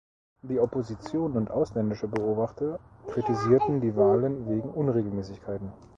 Die Opposition und ausländische Beobachter kritisierten die Wahlen wegen Unregelmäßigkeiten.